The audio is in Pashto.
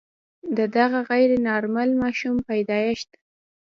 د دغه غیر نارمل ماشوم پیدایښت.